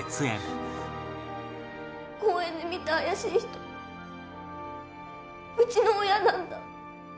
公園で見た怪しい人うちの親なんだ。